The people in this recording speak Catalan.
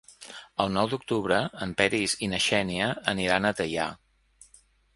El nou d'octubre en Peris i na Xènia aniran a Teià.